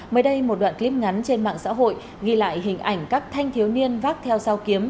mới đây một đoạn clip ngắn trên mạng xã hội ghi lại hình ảnh các thanh thiếu niên vác theo sao kiếm